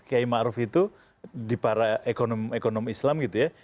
kay ma'ruf itu di para ekonom islam gitu ya